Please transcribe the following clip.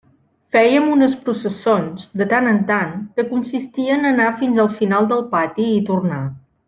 Fèiem unes processons, de tant en tant, que consistien a anar fins al final del pati i tornar.